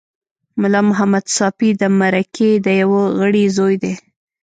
ملا محمد ساپي د مرکې د یوه غړي زوی دی.